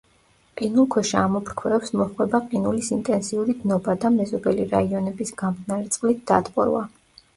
ყინულქვეშა ამოფრქვევებს მოჰყვება ყინულის ინტენსიური დნობა და მეზობელი რაიონების გამდნარი წყლით დატბორვა.